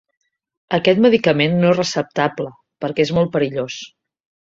Aquest medicament no és receptable, perquè és molt perillós.